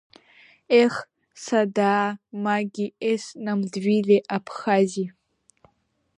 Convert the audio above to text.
Ех, садаа маги ес намдвили аԥхази?!